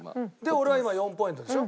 俺は今４ポイントでしょ。